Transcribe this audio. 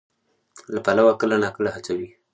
له پلوه کله ناکله هڅه کوي،